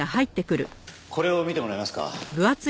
これを見てもらえますか？